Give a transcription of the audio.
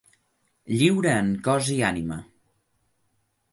Lliure en cos i ànima.